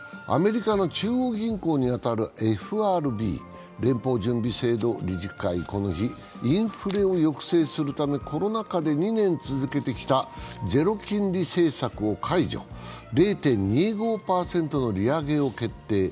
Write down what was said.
アメリカの中央銀行に当たるＦＲＢ＝連邦準備制度理事会、この日インフレを抑制するため、コロナ禍で２年続けてきたゼロ金利政策を解除、０．２５％の利上げを決定。